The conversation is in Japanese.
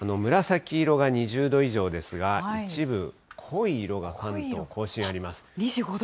紫色が２０度以上ですが、一部、濃い色が関東甲信あります。